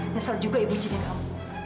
nyesel juga ibu izinin kamu